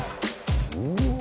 うわ。